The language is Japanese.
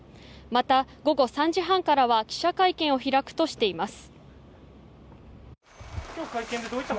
また、午後３時半からは記者会見を開くとしています。